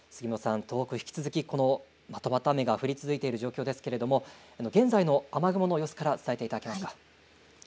引き続きまとまった雨が降り続いている状況ですが現在の雨雲の様子から伝えていただけますか。